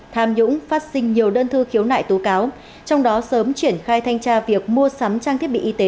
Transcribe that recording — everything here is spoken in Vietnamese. tham nhũng phát sinh nhiều đơn thư khiếu nại tố cáo trong đó sớm triển khai thanh tra việc mua sắm trang thiết bị y tế